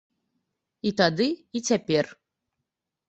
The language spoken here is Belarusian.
І тады, і цяпер.